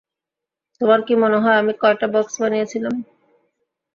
তোমার কী মনে হয় আমি কয়টা বক্স বানিয়েছিলাম?